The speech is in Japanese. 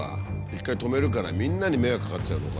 一回止めるからみんなに迷惑かかっちゃうのか。